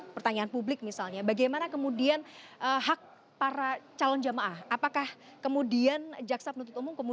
pertanyaan publik misalnya bagaimana kemudian hak para calon jamaah apakah kemudian jaksa penuntut umum